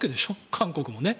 韓国もね。